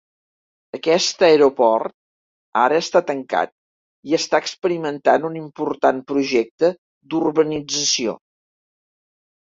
Aquest aeroport ara està tancat i està experimentant un important projecte d'urbanització.